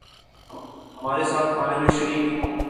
ہمارے ساتھ کھانے میں شریک ہوں